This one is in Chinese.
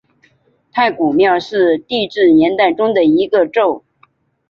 太古宙是地质年代中的一个宙。